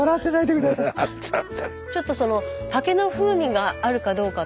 ちょっとその竹の風味があるかどうかとかこう。